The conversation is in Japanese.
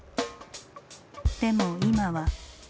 でも今は。